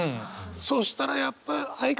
そしたらやっぱ相方だね。